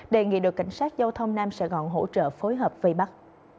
đề nghị đội cảnh sát giao thông nam sài gòn hỗ trợ phối hợp vây bắt